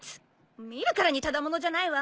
見るからにただ者じゃないわ。